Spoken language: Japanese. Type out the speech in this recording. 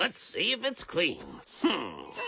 フン。